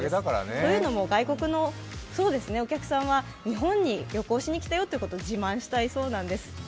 というのも外国のお客さんは日本に旅行しにきたよということを自慢したいそうなんです。